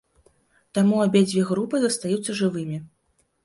Таму абедзве групы застаюцца жывымі.